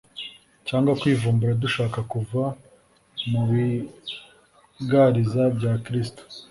cyangwa kwivumbura dushaka kuva mu bigariza bya Kristo.